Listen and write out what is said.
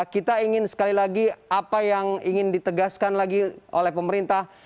kita ingin sekali lagi apa yang ingin ditegaskan lagi oleh pemerintah